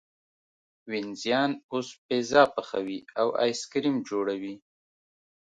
وینزیان اوس پیزا پخوي او ایس کریم جوړوي.